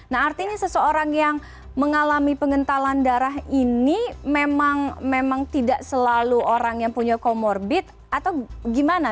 nah artinya seseorang yang mengalami pengentalan darah ini memang tidak selalu orang yang punya comorbid atau gimana